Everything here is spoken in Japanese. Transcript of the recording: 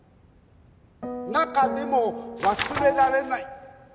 中でも忘れられない。